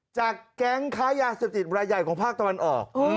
จากแก๊งค้ายาเสพติดบรรยายของภาคตะวันออกอืม